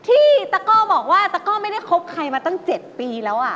ที่ตะก้อบอกว่าตะก้อไม่ได้คบใครมาตั้ง๗ปีแล้ว